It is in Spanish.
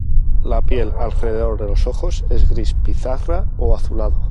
La piel alrededor de los ojos es gris pizarra o azulado.